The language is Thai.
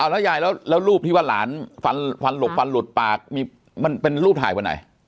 แล้วยายแล้วรูปที่ว่าหลานฟันฟันหลบฟันหลุดปากมีมันเป็นรูปถ่ายวันไหน